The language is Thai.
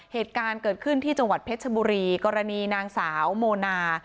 เหตุการณ์เกิดขึ้นที่จังหวัดเพชรบุรีกรณีนางสาวโมนา